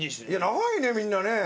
長いねみんなね。